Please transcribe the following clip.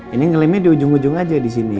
ini ngelimnya di ujung ujung aja di sini